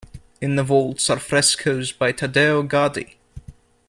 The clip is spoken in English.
In the vaults are frescoes by Taddeo Gaddi.